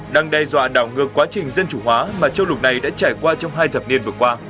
đang đe dọa đảo ngược quá trình dân chủ hóa mà châu lục này đã trải qua trong hai thập niên vừa qua